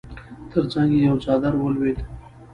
تر څنګ يې يو څادر ولوېد.